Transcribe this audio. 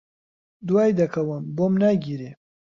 دوای دەکەوم، بۆم ناگیرێ